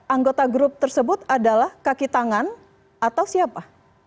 anggota grup tersebut adalah kaki tangan atau siapa